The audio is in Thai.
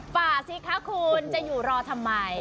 สิคะคุณจะอยู่รอทำไม